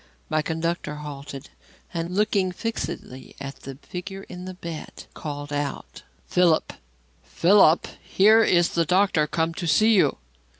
My conductor halted, and looking fixedly at the figure in the bed, called out: "Philip! Philip! Here is the doctor come to see you."